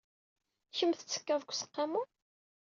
Kemm tettekkad deg useqqamu?